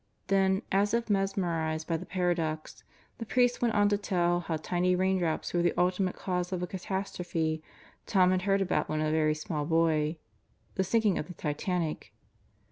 Then as if mesmerized by the paradox, the priest went on to tell how tiny raindrops were the ultimate cause of a catastro phe Tom had heard about when a very small boy the sinking of the Titanic.